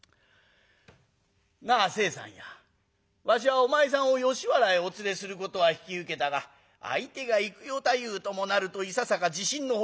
なあ清さんやわしはお前さんを吉原へお連れすることは引き受けたが相手が幾代太夫ともなるといささか自信のほどが揺らいできた。